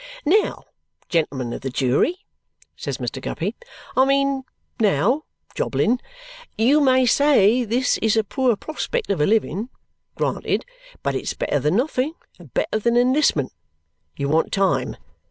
"Now, gentlemen of the jury," says Mr. Guppy, " I mean, now, Jobling you may say this is a poor prospect of a living. Granted. But it's better than nothing, and better than enlistment. You want time.